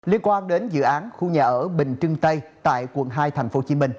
liên quan đến dự án khu nhà ở bình trưng tây tại quận hai tp hcm